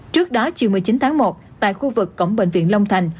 trước đó chiều một mươi chín tháng một tại khu vực cổng bệnh viện long thành